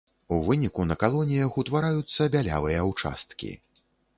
У выніку на калоніях утвараюцца бялявыя ўчасткі.